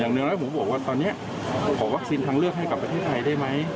เนื้อแล้วผมบอกว่าตอนนี้ขอวัคซีนทางเลือกให้กับประเทศไทยได้ไหม